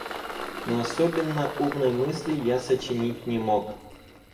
Но особенно умной мысли я сочинить не мог.